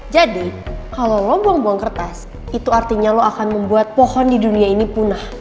jadi kalo lo buang buang kertas itu artinya lo akan membuat pohon di dunia ini punah